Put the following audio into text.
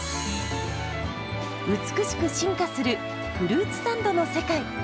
美しく進化するフルーツサンドの世界。